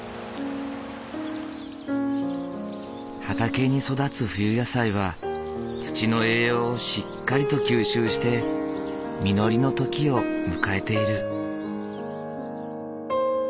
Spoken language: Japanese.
畑に育つ冬野菜は土の栄養をしっかりと吸収して実りの時を迎えている。